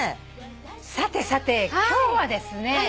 さてさて今日はですね